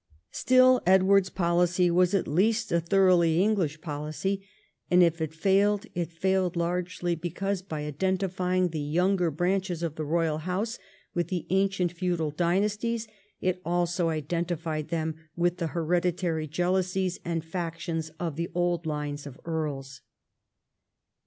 Still Edward's policy was at least a thoroughly English policy, and if it failed, it failed largely because, by identifying the younger branches of the royal house with the ancient feudal dynasties, it also identified them with the hereditary jealousies and factions of the old lines of earls.